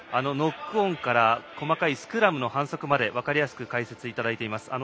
ノックオンから細かいスクラムの反則まで分かりやすく解説いただいています。